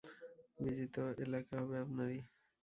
বিজিত এলাকা হবে আপনারই।